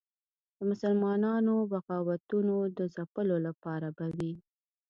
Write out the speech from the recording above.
د مسلمانانو بغاوتونو د ځپلو لپاره به وي.